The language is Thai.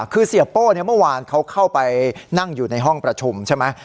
คือเสียโป้เมื่อวานเขาเข้าไปนั่งอยู่ในห้องประชุมใช่ไหม